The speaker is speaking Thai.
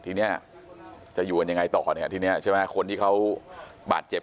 ทีนี้จะอยู่กันยังไงต่อเนี่ยทีนี้ใช่ไหมคนที่เขาบาดเจ็บ